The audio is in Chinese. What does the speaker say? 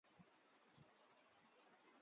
匙唇兰为兰科匙唇兰属下的一个种。